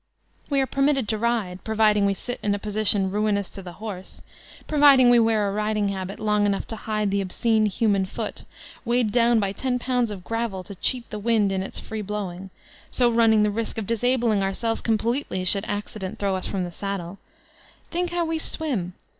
We are permitted to ride, providing we sit in a position ruinous to the horse ; providing we wear a riding habit long enough to hide 354 VoLTAntiNE DB Cleyke the obscene human foot, weighed down by ten pounds of gravel to cheat the Wind in its free blowing, so run ning the risk of disabling ourselves completely should accident throw us from the saddle. Think how we swim